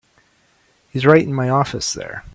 He's right in my office there.